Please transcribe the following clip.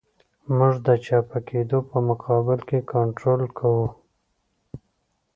موږ د چپه کېدو په مقابل کې کنټرول کوو